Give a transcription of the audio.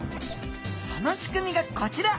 その仕組みがこちら！